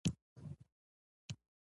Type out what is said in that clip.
خوب د فکري تعادل راز دی